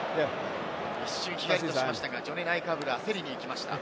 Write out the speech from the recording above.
一瞬ヒヤッとしましたが、ナイカブラ、競りに行きました。